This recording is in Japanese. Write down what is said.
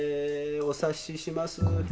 お察しします。